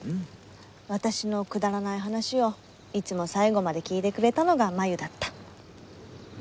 私のくだらない話をいつも最後まで聞いてくれたのが真夢だった。